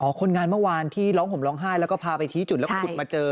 คนงานเมื่อวานที่ร้องห่มร้องไห้แล้วก็พาไปชี้จุดแล้วก็ขุดมาเจอ